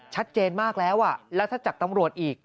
ชัดเจนมากแล้วแล้วถ้าจากตำรวจอีก